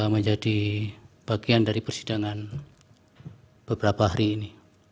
menjadi bagian dari persidangan beberapa hari ini